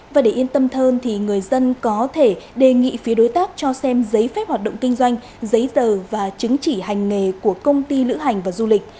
và để yên tâm hơn thì người dân có thể đề nghị phía đối tác cho xem giấy phép hoạt động kinh doanh giấy tờ và chứng chỉ hành nghề của công ty lữ hành và du lịch